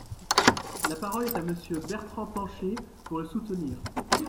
La parole est à Monsieur Bertrand Pancher, pour le soutenir.